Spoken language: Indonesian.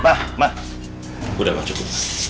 ma ma udah ma cukup